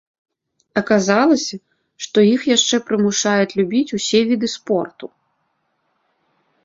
Аказалася, што іх яшчэ прымушаюць любіць усе віды спорту.